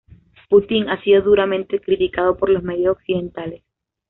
Putin ha sido duramente criticado por los medios occidentales.